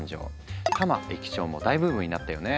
「たま駅長」も大ブームになったよね。